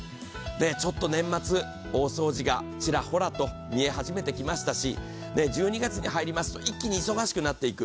ちょっと年末、大掃除がちらほらと見え始めてきましたし１２月に入りますと一気に忙しくなっていく。